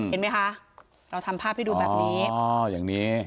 เห็นไหมคะเราทำภาพให้ดูแบบนี้